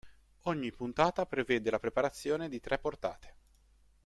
Ogni puntata prevede la preparazione di tre portate.